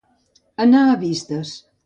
Anar a vistes.